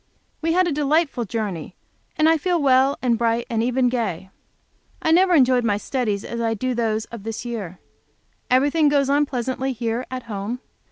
We had a delightful journey, and I feel well and bright, and even gay. I never enjoyed my studies as I do those of this year. Everything goes on pleasantly here at home.